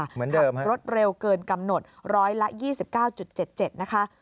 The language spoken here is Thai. เหมือนเดิมรถเร็วเกินกำหนด๑๒๙๗๗นะคะ